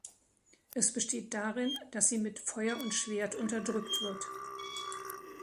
Es besteht darin, dass sie mit Feuer und Schwert unterdrückt wird.